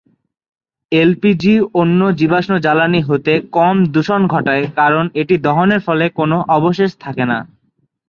এল P G অন্য জীবাশ্ম জ্বালানী হতে কম দূষণ ঘটায় কারণ এটি দহনের ফলে কোন অবশেষ থাকেনা।